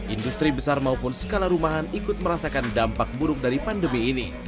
industri besar maupun skala rumahan ikut merasakan dampak buruk dari pandemi ini